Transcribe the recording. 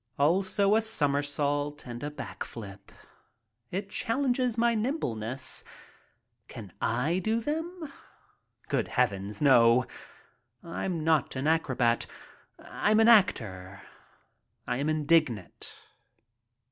Also a somersault and a back flip. It chal lenges my nimbleness. Can I do them? Good heavens — no! I'm not an acrobat, I'm an actor. I am indignant.